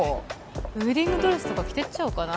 ウエディングドレスとか着てっちゃおうかな